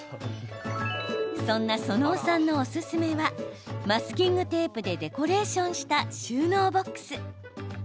そんな園尾さんのおすすめはマスキングテープでデコレーションした収納ボックス。